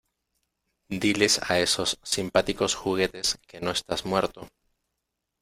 Diles a estos simpáticos juguetes que no estás muerto.